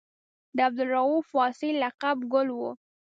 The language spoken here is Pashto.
د عبدالرؤف واسعي لقب ګل و.